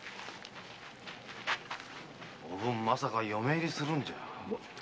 おぶんまさか嫁入りするんじゃ。